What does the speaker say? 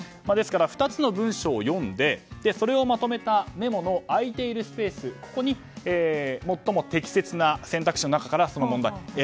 ですから、２つの文章を読んでそれをまとめたメモの空いているスペースに選択肢の中から最も適切なもの